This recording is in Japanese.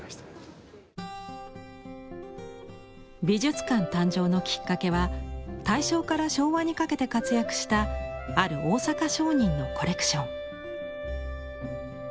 美術館誕生のきっかけは大正から昭和にかけて活躍したある大阪商人のコレクション。